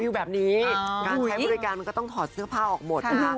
แบบนี้การใช้บริการมันก็ต้องถอดเสื้อผ้าออกหมดนะคะ